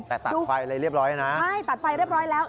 ตัดไฟเรียบร้อยแล้ว